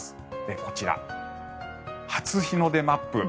こちら、初日の出マップ。